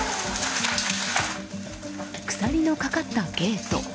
鎖のかかったゲート。